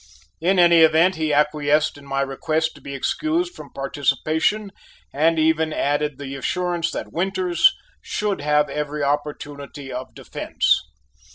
In any event he acquiesced in my request to be excused from participation and even added the assurance that Winters should have every opportunity of defence.